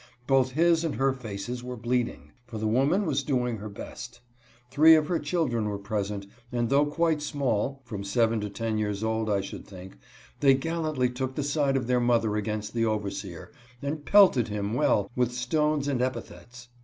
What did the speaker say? Both his and her faces were bleeding, for the woman was doing her best. Three of her children were present, and though quite small, (from seven to ten years old, I should think), they gal ' lantly took the side of their mother against the overseer, and pelted him well with stones and epithets.